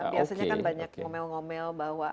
biasanya kan banyak ngomel ngomel bahwa